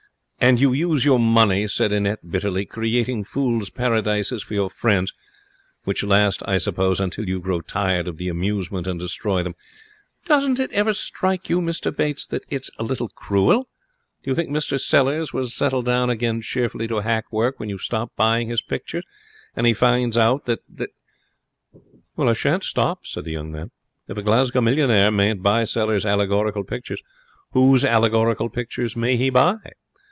'And you use your money,' said Annette, bitterly, 'creating fools' paradises for your friends, which last, I suppose, until you grow tired of the amusement and destroy them. Doesn't it ever strike you, Mr Bates, that it's a little cruel? Do you think Mr Sellers will settle down again cheerfully to hack work when you stop buying his pictures, and he finds out that that ' 'I shan't stop,' said the young man. 'If a Glasgow millionaire mayn't buy Sellers' allegorical pictures, whose allegorical pictures may he buy?